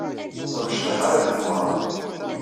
Ur necḍiḥ ara di tmeɣra.